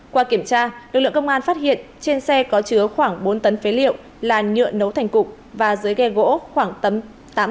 qua kiểm tra lực lượng công an phát hiện trên xe có chứa khoảng bốn tấn phế liệu là nhựa nấu thành cục và dưới ghe gỗ khoảng tấm